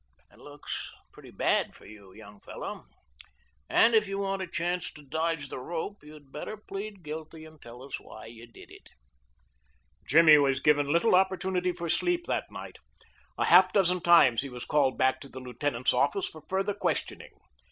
It looks pretty bad for you, young fellow, and if you want a chance to dodge the rope you'd better plead guilty and tell us why you did it." Jimmy was given little opportunity for sleep that night. A half dozen times he was called back to the lieutenant's office for further questioning.